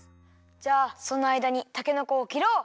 じゃあそのあいだにたけのこをきろう！